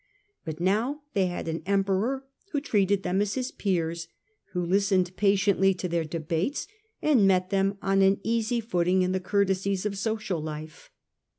But now they had an Emperor who treated them as his peers, who listened patiently to their debates, and met them on an easy treating footing in the f:ourtesies of social life.